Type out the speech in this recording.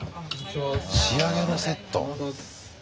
仕上げのセット。